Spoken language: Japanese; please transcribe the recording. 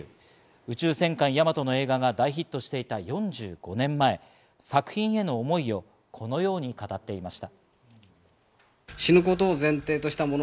『宇宙戦艦ヤマト』の映画が大ヒットしていた４５年前、作品への思いを、このように語っていました。